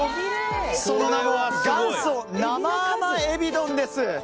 その名も、元祖生甘海老丼です。